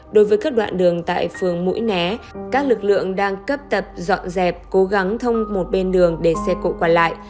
đối với các đoạn đường tại phường mũi né các lực lượng đang cấp tập dọn dẹp cố gắng thông một bên đường để xe cộ qua lại